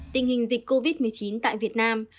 tình hình dịch covid một mươi chín tại việt nam